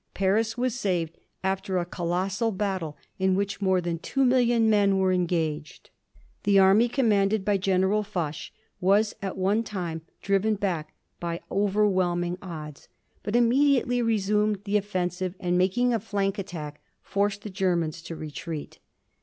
Paris was saved after a colossal battle, in which more than two million men were engaged. The army commanded by General Foch was at one time driven back by overwhelming odds, but immediately resumed the offensive, and making a flank attack forced the Germans to retreat.